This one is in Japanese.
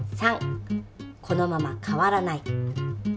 ３このまま変わらない。